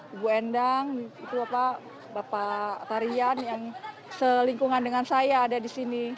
ibu endang bapak tarian yang selingkungan dengan saya ada di sini